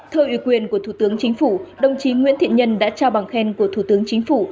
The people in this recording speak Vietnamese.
thưa ủy quyền của thủ tướng chính phủ đồng chí nguyễn thiện nhân đã trao bằng khen của thủ tướng chính phủ